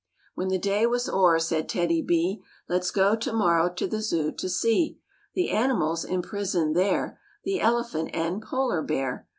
When the day was o'er said TEDDY B, " Let's go to morrow to the Zoo to see The animals imprisoned there: The elephant and polar bear.